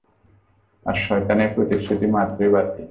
আর শয়তানের প্রতিশ্রুতি মাত্রই বাতিল।